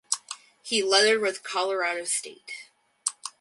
He lettered with Colorado State.